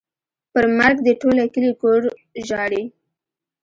پر مرګ دې ټوله کلي کور ژاړي.